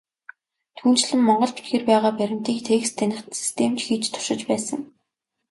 Түүнчлэн, монгол бичгээр байгаа баримтыг текст таних систем ч хийж туршиж байсан.